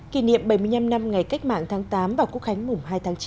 kỷ niệm bảy mươi năm năm ngày cách mạng tháng tám và quốc khánh mùng hai tháng chín